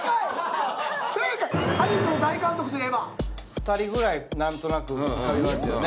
２人ぐらい何となく浮かびますよね。